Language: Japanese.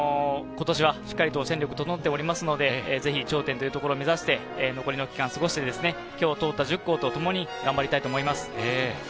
今年はしっかりと戦力整っておりますので、ぜひ頂点というところ目指して、残りの期間すごして、今日通った１０校と一緒に頑張りたいと思います。